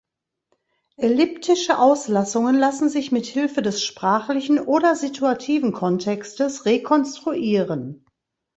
Elliptische Auslassungen lassen sich mit Hilfe des sprachlichen oder situativen Kontextes rekonstruieren.